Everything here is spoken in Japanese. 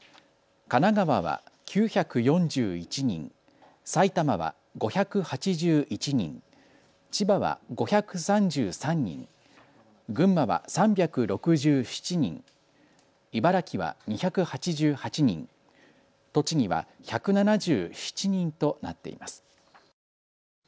神奈川は９４１人、埼玉は５８１人、千葉は５３３人、群馬は３６７人、茨城は２８８人、栃木は１７７人となっています。